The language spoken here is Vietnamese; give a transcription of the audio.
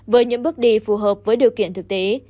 với những bước đi phù hợp với điều kiện thực tế